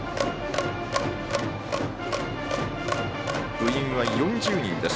部員は４０人です。